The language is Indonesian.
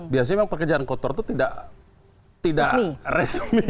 biasanya memang pekerjaan kotor itu tidak resmi